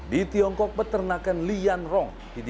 di tiongkok peternakan lian rong